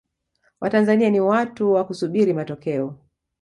watanzania ni watu wa kusubiri matokeo